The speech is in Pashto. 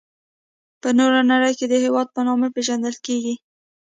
په نوره نړي کي د هیواد په نامه پيژندل کيږي.